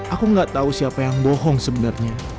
aku nggak tahu siapa yang bohong sebenarnya